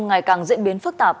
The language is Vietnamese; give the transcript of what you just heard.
ngày càng diễn biến phức tạp